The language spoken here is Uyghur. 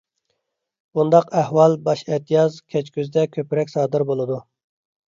بۇنداق ئەھۋال باش ئەتىياز، كەچ كۈزدە كۆپرەك سادىر بولىدۇ.